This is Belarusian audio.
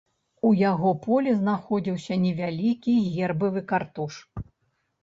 У яго полі знаходзіўся невялікі гербавы картуш.